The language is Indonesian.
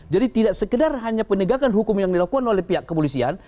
jadi tidak sekedar hanya penegakan hukum yang dilakukan oleh pihak kepolisian